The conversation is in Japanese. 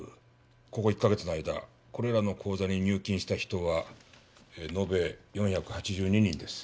ここ１か月の間これらの口座に入金した人は延べ４８２人です。